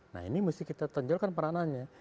nah ini mesti kita tonjolkan peranannya